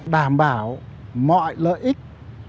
đảm bảo mọi lợi ích